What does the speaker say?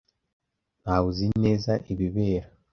Ntawe uzi neza ibibera.